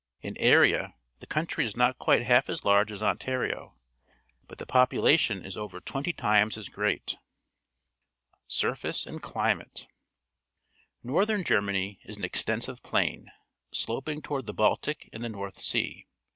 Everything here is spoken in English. In area the countiy is not quite half as large as Ontario, but the population is over twenty times as great. Surface and Climate. — No rthern Germany is an extensive plain, sloping toward the Baltic and the North Sea.